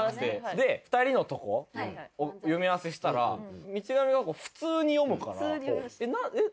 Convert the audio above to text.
で２人のとこを読み合わせしたら道上が普通に読むからえっ？